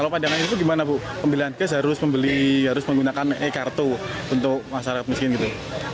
kalau pandangan itu gimana bu pembelian gas harus membeli harus menggunakan e kartu untuk masyarakat miskin gitu